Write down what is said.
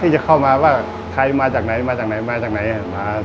สวัสดีครับผมชื่อสามารถชานุบาลชื่อเล่นว่าขิงถ่ายหนังสุ่นแห่ง